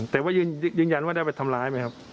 แต่ว่ายืนยันว่าได้ไปทำร้ายไหมครับ